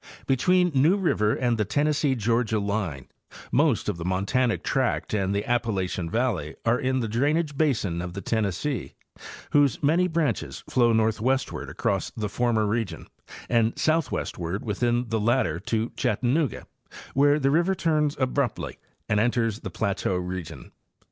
Between New river and the Tennessee Georgia line most of the montanic tract and the Ap palachian valley are in the drainage basin of the Tennessee, whose many branches flow northwestward across the former region and southwestward within the latter to Chattanooga, where the river turns abruptly and enters the plateau region.